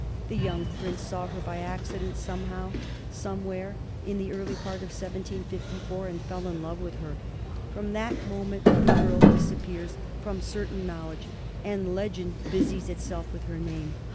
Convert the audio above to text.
The young Prince saw her by accident somehow, somewhere, in the early part of 1754, and fell in love with her. From that moment the girl disappears from certain knowledge, and legend busies itself with her name.